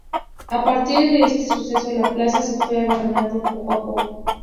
A partir de este suceso, la plaza se fue abandonando poco a poco.